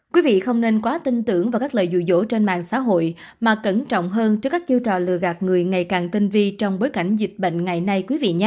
quý vị không nên quá tin tưởng vào các lời dụ dỗ trên mạng xã hội mà cẩn trọng hơn trước các chiêu trò lừa gạt người ngày càng tinh vi trong bối cảnh dịch bệnh ngày nay